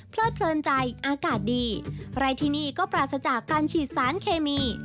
เพลินใจอากาศดีไร่ที่นี่ก็ปราศจากการฉีดสารเคมี